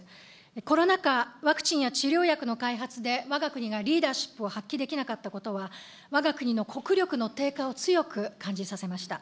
コロナ禍、ワクチンや治療薬の開発で、わが国がリーダーシップを発揮できなかったことは、わが国の国力の低下を強く感じさせました。